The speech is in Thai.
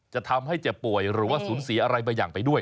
จะทำให้เจ็บป่วยหรือว่าสูญเสียอะไรบางอย่างไปด้วย